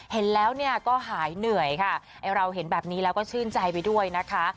เห็นแล้วเนี่ยก็หายเหนื่อยค่ะไอ้เราเห็นแบบนี้แล้วก็ชื่นใจไปด้วยนะคะ